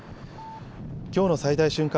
きょうの最大瞬間